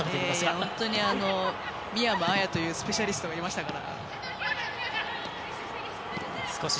本当に宮間あやというスペシャリストがいましたから。